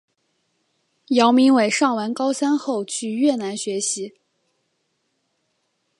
姚明伟上完高三后去越南学习。